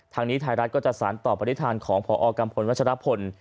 ทางนี้ไทยรัติก็จะสานต่อประติธานของภกรรมพนธ์วัชราวัชรพล